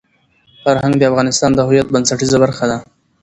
فرهنګ د انسان د هویت بنسټیزه برخه ده.